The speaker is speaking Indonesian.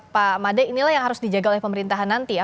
pak made inilah yang harus dijaga oleh pemerintahan nanti ya